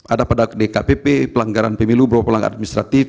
ada pada dkpp pelanggaran pemilu berupa pelanggaran administratif